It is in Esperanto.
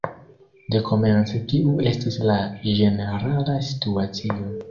Dekomence tiu estis la ĝenerala situacio.